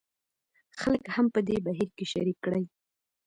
خلک هم په دې بهیر کې شریک کړي.